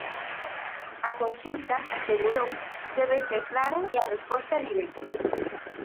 "A consulta", asegurou, "debe ser clara e a resposta directa".